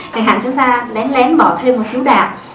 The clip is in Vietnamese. thì hẳn chúng ta lén lén bỏ thêm một xíu đạp